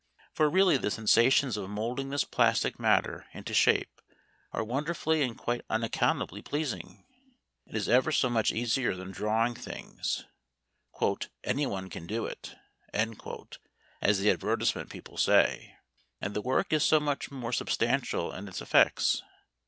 For really the sensations of moulding this plastic matter into shape are wonderfully and quite unaccountably pleasing. It is ever so much easier than drawing things "anyone can do it," as the advertisement people say and the work is so much more substantial in its effects.